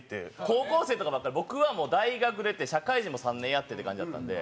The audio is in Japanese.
高校生とかだった僕はもう大学出て社会人も３年やってって感じやったんで。